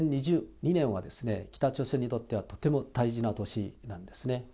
２０２２年は北朝鮮にとってはとても大事な年なんですね。